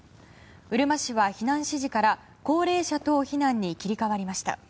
うるま市は避難指示から高齢者等避難に切り替わりました。